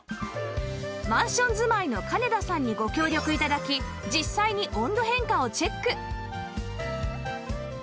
マンション住まいの金田さんにご協力頂き実際に温度変化をチェック